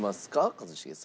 一茂さん。